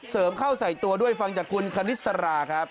เข้าใส่ตัวด้วยฟังจากคุณคณิสราครับ